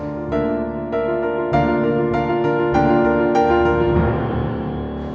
kamu apa bahasalamu